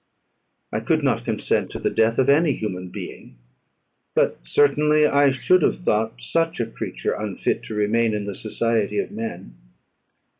I could not consent to the death of any human being; but certainly I should have thought such a creature unfit to remain in the society of men.